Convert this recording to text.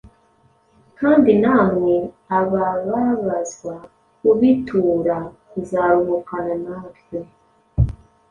kandi na mwe abababazwa kubitura kuzaruhukana natwe,